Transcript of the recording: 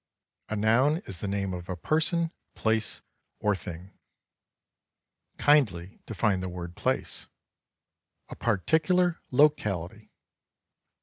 "A noun is the name of a person, place or thing." "Kindly define the word 'place'." "A particular locality."